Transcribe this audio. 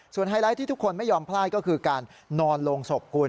ไฮไลท์ที่ทุกคนไม่ยอมพลาดก็คือการนอนลงศพคุณ